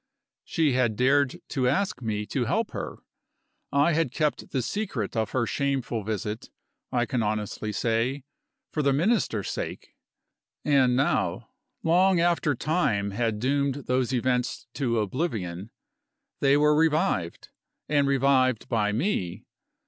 She had dared to ask me to help her. I had kept the secret of her shameful visit I can honestly say, for the Minister's sake. And now, long after time had doomed those events to oblivion, they were revived and revived by me.